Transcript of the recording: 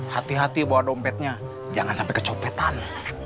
hati hati bawa dompetnya jangan sampai kecopetan